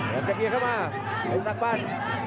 แล้ว๖๘เข้ามาสร้างบ้าน